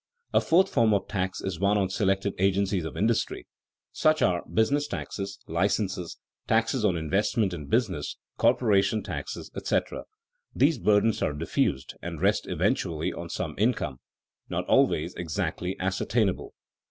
A fourth form of tax is one on selected agencies of industry; such are business taxes, licenses, taxes on investment in business, corporation taxes, etc. These burdens are diffused and rest eventually on some income, not always exactly ascertainable.